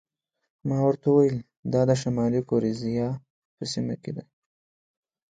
ما ورته وویل: دا د شمالي ګوریزیا په سیمه کې ده.